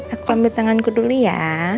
aku ambil tanganku dulu ya